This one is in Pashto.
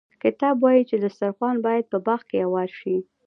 کتاب وايي چې دسترخوان باید په باغ کې اوار شي.